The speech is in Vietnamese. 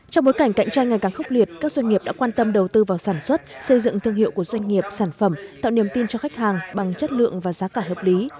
trong bối cảnh cạnh tranh ngày càng khốc liệt các doanh nghiệp đã quan tâm đầu tư vào sản xuất xây dựng thương hiệu của doanh nghiệp sản phẩm tạo niềm tin cho khách hàng bằng chất lượng và giá cả hợp lý